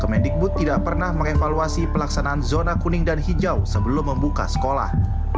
kemendikbud tidak pernah mengevaluasi pelaksanaan zona kuning dan hijau sebelum membuka sekolah